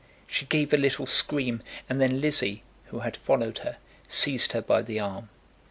She gave a little scream, and then Lizzie, who had followed her, seized her by the arm.